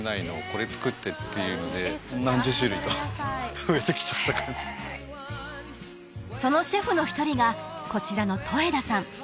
これ作って」っていうので何十種類と増えてきちゃった感じそのシェフの一人がこちらの戸枝さん